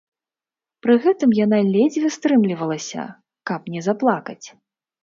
Пры гэтым яна ледзьве стрымлівалася, каб не заплакаць.